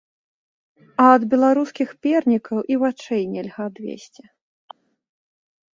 А ад беларускіх пернікаў і вачэй нельга адвесці.